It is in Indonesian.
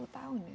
sepuluh tahun ya